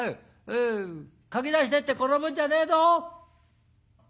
駆け出してって転ぶんじゃねえぞ！」。